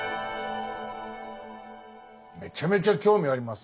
めちゃめちゃ興味ありますね。